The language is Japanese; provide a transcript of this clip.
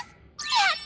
やった！